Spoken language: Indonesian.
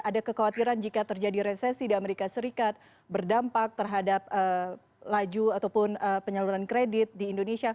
ada kekhawatiran jika terjadi resesi di amerika serikat berdampak terhadap laju ataupun penyaluran kredit di indonesia